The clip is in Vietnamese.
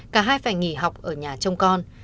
cả hai phải nghỉ học ở nhà trong con